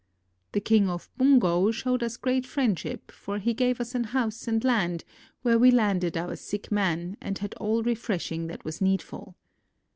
The king of Bungo showed us great friendship, for he gave us an house and land, where we landed our sick men, and had all refresh ing that was needful.